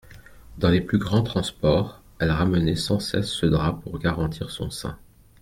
Dans les plus grands transports, elle ramenait sans cesse ce drap pour garantir son sein.